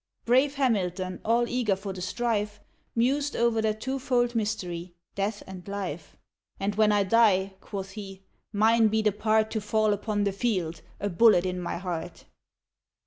Brave Hamilton, all eager for the strife, Mused o'er that two fold mystery death and life; "And when I die," quoth he, "mine be the part To fall upon the field, a bullet in my heart."